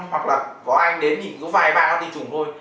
hoặc là có ai đến thì có vài ba con tinh trùng thôi